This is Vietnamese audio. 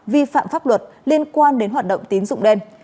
vi phạm pháp luật liên quan đến hoạt động tín dụng đen